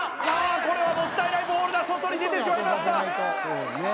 これはもったいないボールが外に出てしまいました